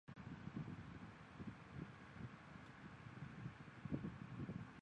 拉戈人口变化图示